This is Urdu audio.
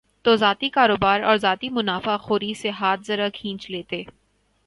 تو ذاتی کاروبار اور ذاتی منافع خوری سے ہاتھ ذرا کھینچ لیتے۔